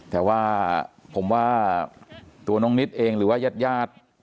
แต่ว่าผมว่าตัวน้องนิดเองหรือว่ายาด